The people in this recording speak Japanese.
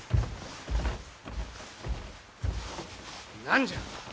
何じゃ？